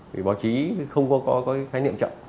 vì báo chí không có cái khái niệm chậm